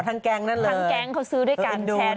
อ๋อทั้งแกงนั่นเลยเอ็นดูนั่งนะทั้งแกงเขาซื้อด้วยกัน